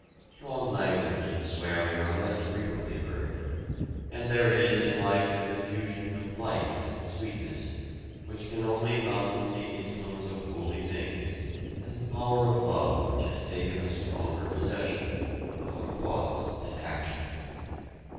Strong language and swearing are less frequently heard, and there is in life a diffusion of light and sweetness, which can only come from the influence of holy things and the power of love which has taken a stronger possession of our thoughts and actions.